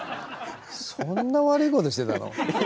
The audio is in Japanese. そんな悪いことしてたの？